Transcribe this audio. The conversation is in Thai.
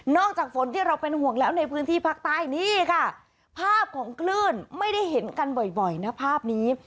จากฝนที่เราเป็นห่วงแล้วในพื้นที่ภาคใต้นี่ค่ะภาพของคลื่นไม่ได้เห็นกันบ่อยนะภาพนี้